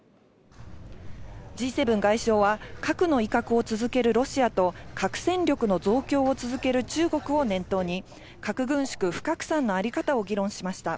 Ｇ７外相は核の威嚇を続けるロシアと核戦力の増強を続ける中国を念頭に、核軍縮・不拡散のあり方を議論しました。